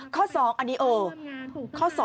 ข้อ๒อันนี้เออ